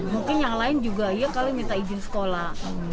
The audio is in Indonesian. mungkin yang lain juga iya kalian minta izin sekolah